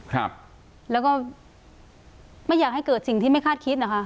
ครับแล้วก็ไม่อยากให้เกิดสิ่งที่ไม่คาดคิดนะคะ